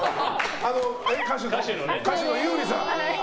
歌手の優里さんね。